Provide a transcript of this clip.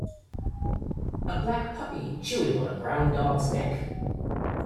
A black puppy chewing on a brown dog 's neck